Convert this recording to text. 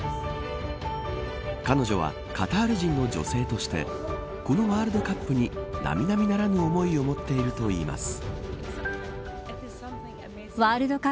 彼女は、カタール人の女性としてこのワールドカップに並々ならぬ思いを持っているといいます。